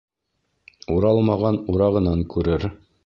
Уралмаған урағынан күрер.